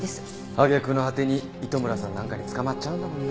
揚げ句の果てに糸村さんなんかに捕まっちゃうんだもんな。